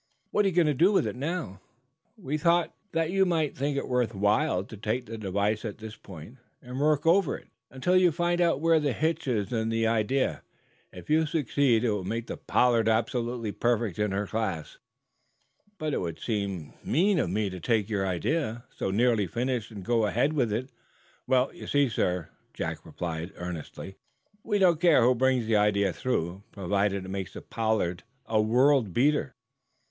What are you going to do with it, now?" "We thought, perhaps, Mr. Pollard," explained Captain Jack, "that you might think it worth while to take the device up at this point, and work over it until you find out where the hitch is in the idea. If you succeed, it will make the 'Pollard' absolutely perfect in her class." "But it would seem mean of me to take your idea, so nearly finished, and go ahead with it," protested the inventor. "Well, you see, sir," Jack replied, earnestly, "we don't care who brings the idea through provided it makes the 'Pollard' a world beater.